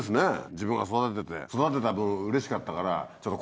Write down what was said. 自分が育てて育てた分うれしかったからちょっと。